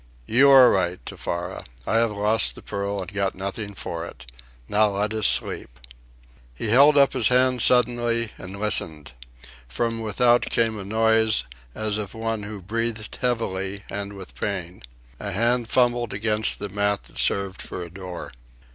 You are right, Tefara. I have lost the pearl, and got nothing for it. Now let us sleep." He held up his hand suddenly and listened. From without came a noise, as of one who breathed heavily and with pain. A hand fumbled against the mat that served for a door.